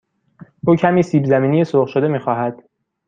او کمی سیب زمینی سرخ شده می خواهد.